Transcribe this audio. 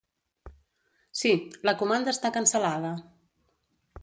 Sí, la comanda està cancel·lada.